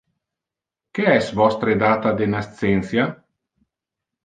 Que es vostre data de nascentia?